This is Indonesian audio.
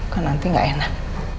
kan nanti gak enak